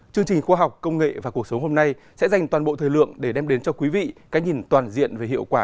chương trình khoa học công nghệ và cuộc sống hôm nay sẽ dành toàn bộ thời lượng để đem đến cho quý vị cái nhìn toàn diện về hiệu quả